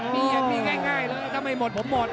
มียังมีง่ายเลยถ้าไม่หมดผมหมด